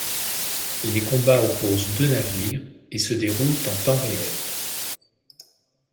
Les combats opposent deux navires et se déroulent en temps réel.